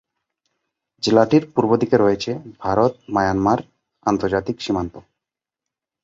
জেলাটির পূর্ব দিকে রয়েছে ভারত-মিয়ানমার আন্তর্জাতিক সীমান্ত।